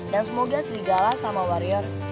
dan semoga serigala sama warrior